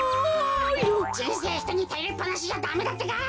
じんせいひとにたよりっぱなしじゃダメだってか！